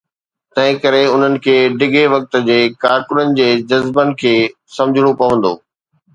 تنهن ڪري انهن کي ڊگهي وقت جي ڪارڪنن جي جذبن کي سمجهڻو پوندو.